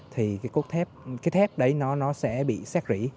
thì cái thép đấy nó sẽ bị xét rỉ